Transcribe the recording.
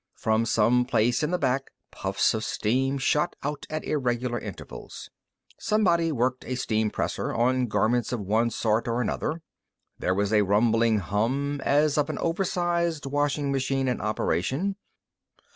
From some place in the back, puffs of steam shot out at irregular intervals. Somebody worked a steampresser on garments of one sort or another. There was a rumbling hum, as of an oversized washing machine in operation.